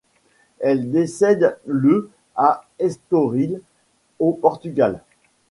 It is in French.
Elle décède le à Estoril au Portugal.